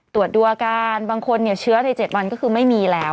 ตรวจดูอาการบางคนเชื้อใน๗วันก็คือไม่มีแล้ว